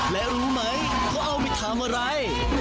และรู้ไหมเขาเอาไปทำอะไร